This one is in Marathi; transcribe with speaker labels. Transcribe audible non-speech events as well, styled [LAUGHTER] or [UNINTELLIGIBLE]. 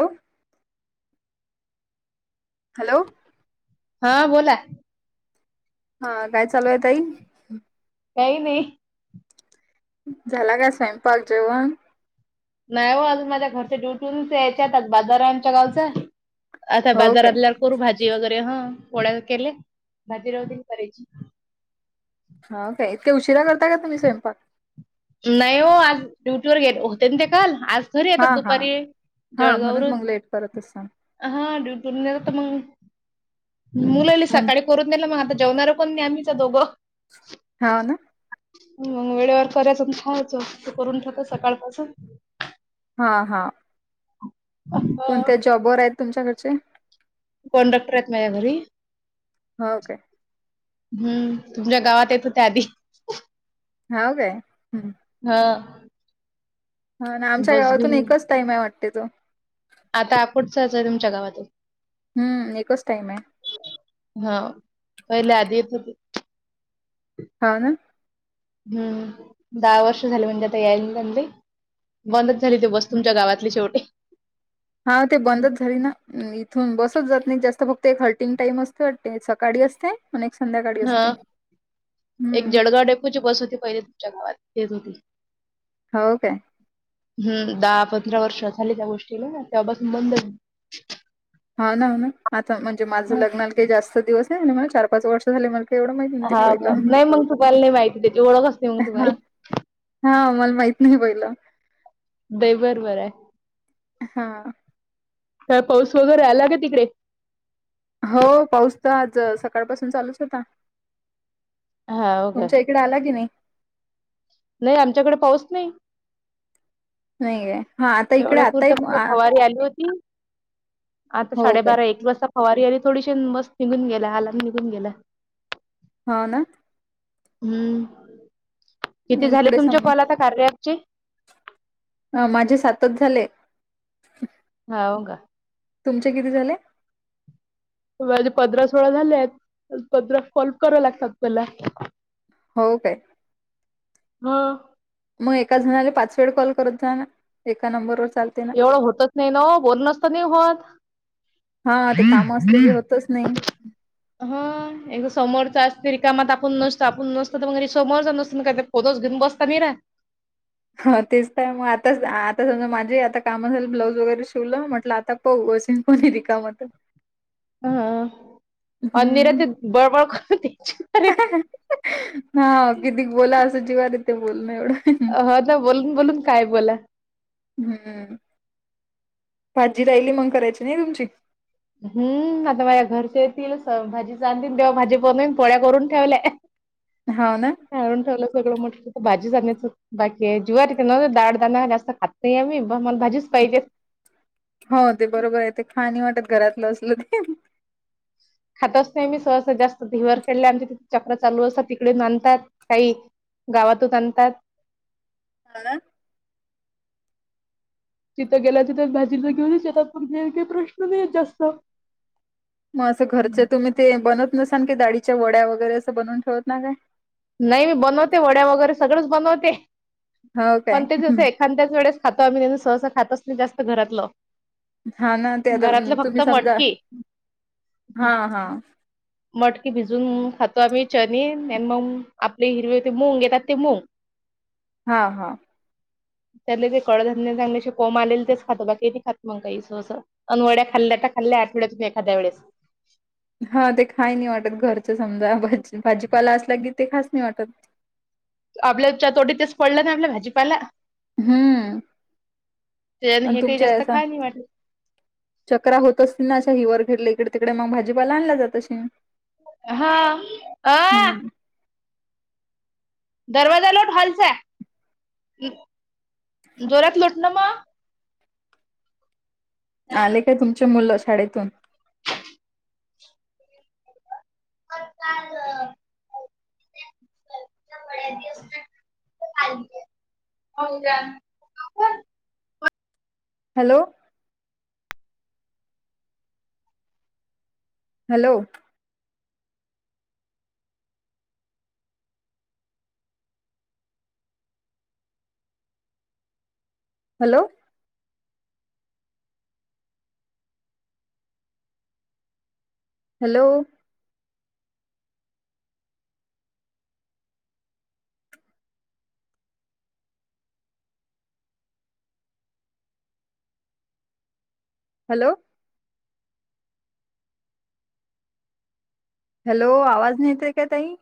Speaker 1: हॅ
Speaker 2: हा बोला
Speaker 1: हा काय चालू आहे त ताई
Speaker 2: काही नाही
Speaker 1: झाला काय स्वयंपाक जेवण
Speaker 2: नाही हो अजून माझ्या घरच्याडुटीून यायच्यात बाजारांच्या गावचा आता
Speaker 1: हो
Speaker 2: बाजार
Speaker 1: काय
Speaker 2: आपल्याला करू जवा कररी हा पोळ्या केल्या भाजीरावती करायची
Speaker 1: हा काय इतके उशिरा करता का तुम्ही स्वयंपाक
Speaker 2: नाही हो आज ड्युटी वर ग होते ते काल आज घरी
Speaker 1: हा
Speaker 2: येतात
Speaker 1: हा
Speaker 2: दुपारी
Speaker 1: हा
Speaker 2: जळगाववर
Speaker 1: म्हणून मग लेट करत असाल
Speaker 2: हा ड्युटून जेतात तर मग मुलाली
Speaker 1: म्हण
Speaker 2: सकाळी करून नेला मग आता जेवणारं कोण नाही आम्हीच दोघं
Speaker 1: हा ना
Speaker 2: मग वेळेवर करायचं खवायचं त करून ठेवत सकाळपासून
Speaker 1: हा हा कोणत्या जॉबवरर आहेत तुमच्याकडचे
Speaker 2: कॉनडॉक्टर आहेत माझ्या घरी
Speaker 1: हो का
Speaker 2: हम्म तुमच्या गावात येतो त्या आधी
Speaker 1: ह काे हम्
Speaker 2: हा
Speaker 1: हा ना आमच्या
Speaker 2: बस
Speaker 1: गावातून
Speaker 2: घेऊन
Speaker 1: एकच टाइम आहे वाटते तो
Speaker 2: आता कुठचचंय तुमच्या गावातून
Speaker 1: हम्म एकच टाइमय
Speaker 2: हा पहिले आदि
Speaker 1: हा ना
Speaker 2: हम्म दहा वर्ष झालं म्हणजे आता [UNINTELLIGIBLE] झाली ते वस्तूंच्या गावातले शेवटी
Speaker 1: हा ते बंदच झाली ना थून बसच जात न्ईत जास्त फक्त एक हर्टिंग टाईम असतं ते सकाळी असते आणि एक संध्याकाळी
Speaker 2: हा
Speaker 1: असते
Speaker 2: एक
Speaker 1: हम्म
Speaker 2: जळगाव [UNINTELLIGIBLE] बस हुती पहिले चंग फेज होती
Speaker 1: हो काय
Speaker 2: हम्म दहा पंधरा वर्ष झाली त्या गोष्टीला तेव्हापासून [INAUDIBLE]
Speaker 1: हा ना ना आता म्हणजे माझं लग्नाला काही जास्त दिवस [UNINTELLIGIBLE] चार पाच वर्ष झाले मला [UNINTELLIGIBLE] माहीत
Speaker 2: हा का नाही मग तुम्हाला नाही माहिती त्याची ओळखच नाही मग तुम्हाला
Speaker 1: नाही [UNINTELLIGIBLE]
Speaker 2: ते बरोबराय
Speaker 1: हा
Speaker 2: काय पाऊस वगैरे आला का तिकडे
Speaker 1: हो पाऊस तर आजं सकाळपासून चालूच होता
Speaker 2: हा हो
Speaker 1: तुमच्या इकडं आला की नाही
Speaker 2: नई आमच्याकडे पाऊस नई
Speaker 1: नाहीये हा आता इकडे आताही
Speaker 2: फवारी आली होती आता
Speaker 1: हो काय?
Speaker 2: साडेबारा एक वाजता फवारी आली थोडीशी मस्त निघून गेला आलान् निघून गेला
Speaker 1: हा ना
Speaker 2: हम्म किती झाले
Speaker 1: इकडे
Speaker 2: तुमचे
Speaker 1: सम
Speaker 2: कॉल आता कार्य अँप चे
Speaker 1: अ माझे सातच झाले
Speaker 2: जाव
Speaker 1: तुमचे किती झाले
Speaker 2: माझे पंधरा सोळा झालेत [UNINTELLIGIBLE] लागतात मला
Speaker 1: हो काय
Speaker 2: हा
Speaker 1: म एकाच [UNINTELLIGIBLE] पाच वेळ कॉल करत जा ना एका नंबरवर चालते ना?
Speaker 2: एवढं होतच नाय ना ओ बोलणंच तर नाही होत
Speaker 1: हां, ते कामं असले की होतच नाही.
Speaker 2: हा एक समोरचा री कामात आपण नसतो आपण नसतो तर मग समोरचा नसतो [UNINTELLIGIBLE] घेऊन बसता मीरा
Speaker 1: हा तेच तर म आताच आता समजा माझे आता काम झालेत ब्लाऊज वगैरे शिवलं म्हटलं आता बघू असं कोणी रीकाम त.
Speaker 2: हा आणि निऱ्या ते बळ बळ करते.
Speaker 1: हा कितीक बोला अस जीवावर येतं.
Speaker 2: हो ना बोलून बोलून काय बोला
Speaker 1: हम्म भाजी राहिली मंग करायची नाही तुमची
Speaker 2: हम्म आता माझ्या घरचे येतीलच भाजी चां आणतील तेव्हा भाजी बनेल पोळ्या करून ठेवल्या
Speaker 1: हाव ना?
Speaker 2: काळून ठेवलं सगळं मोठ भाजी जाण्याचं बाकीये जीव्हाारीत न दाळ दणा जास्त खात नाही आम्ही मला भाजीच पाहिजे
Speaker 1: हो ते बरोबराय ते खाणी वाटत घरातलं असलं ते
Speaker 2: खातच नाय मी सहसा जास्त [UNINTELLIGIBLE] चालू असत तिकडे आणतात काही गावातच आणतात
Speaker 1: हणा
Speaker 2: तिथं गेला तिथं भाजीथ घेऊनच येतात पण हे काही प्रश्न नाही जास्त
Speaker 1: मग असं घरचे
Speaker 2: हम्म.
Speaker 1: तुम्ही ते बनत नसाल की डाळीच्या वड्या वगैरे असं बनवून ठेवत नाय काय
Speaker 2: नाई मी बनवते वड्या वगैरे सगळंच बनवते
Speaker 1: हो काय?
Speaker 2: पण ते जसं
Speaker 1: हं.
Speaker 2: एखाद्याच वेळेस खातो आम्ही त्यां सहसा खातोच नाही जास्त घरातलं
Speaker 1: हां ना ते आता
Speaker 2: घरातलं फक्त
Speaker 1: तुम्ही समजा
Speaker 2: मटके
Speaker 1: हां, हां.
Speaker 2: मटकीे भिजून खातो आम्ही चनी आणि मग आपले हिरवी ते मूंग घेतात ते मूग
Speaker 1: हा हा
Speaker 2: त्यातल जे कडधान्य चांगले असे कोम आलेल, तेच खात बाकी नाही खात मग काही सस अन वड्या खा खाल्ल्या त खाल्ल्या आठवड्या तुन एखा्या वेळेस.
Speaker 1: हा ते खाय नाही वाटत, घरच समजा भाजीपाला असला की ते खास नाही वाटत.
Speaker 2: आपल्या चातोटीत तेच पडलं ना, आपल्या भाजीपायला.
Speaker 1: हम्म.
Speaker 2: त्याच्याने
Speaker 1: आणि
Speaker 2: हे काही
Speaker 1: तुमच्या
Speaker 2: जास्त
Speaker 1: याचा,
Speaker 2: खाय नाही वाटलं
Speaker 1: चक्रा होतच असतील ना, अशा हिवर खेडले. इकडे तिकडे मग भाजीपाला आणला जात अशीन.
Speaker 2: हा, अ, दरवाजा लोट हालचा, जोरात लोट ना म.
Speaker 1: आले काय तुमचे मुलं शाळेतून.
Speaker 2: [UNINTELLIGIBLE] [UNINTELLIGIBLE]
Speaker 1: Hello. Hello. Hello. Hello. Hello. Hello आवाज नाही येते काय ताई?